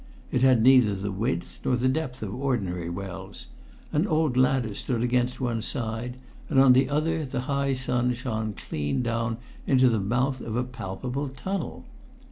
It had neither the width nor the depth of ordinary wells; an old ladder stood against one side, and on the other the high sun shone clean down into the mouth of a palpable tunnel.